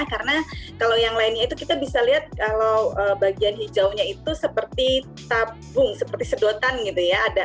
karena kalau yang lainnya itu kita bisa lihat kalau bagian hijaunya itu seperti tabung seperti sedotan gitu ya